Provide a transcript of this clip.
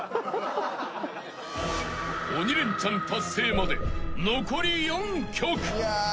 ［鬼レンチャン達成まで残り４曲］